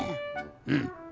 うん。